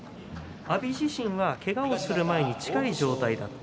阿炎自身はけがをする前の状態に近い状態だと。